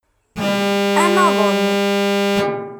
Ad naḍen.